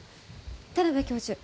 田邊教授